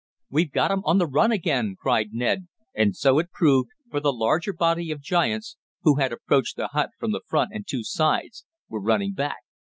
"We've got 'em on the run again!" cried Ned, and so it proved, for the larger body of giants, who had approached the hut from the front and two sides, were running back.